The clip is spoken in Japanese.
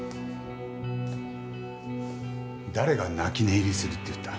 誰が泣き寝入りするって言った？